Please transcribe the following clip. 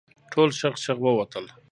ټول شغ شغ ووتل.